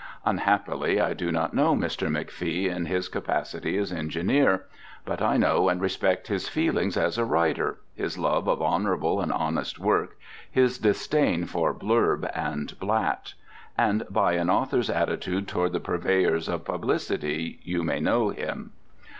Unhappily I do not know Mr. McFee in his capacity as engineer; but I know and respect his feelings as a writer, his love of honourable and honest work, his disdain for blurb and blat. And by an author's attitude toward the purveyors of publicity, you may know him.